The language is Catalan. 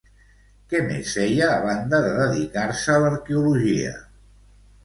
Què més feia, a banda de dedicar-se a l'arqueologia?